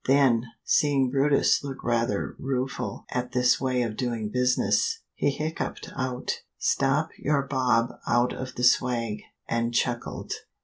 Then, seeing brutus look rather rueful at this way of doing business, he hiccoughed out, "Stop your bob out of the swag" and chuckled.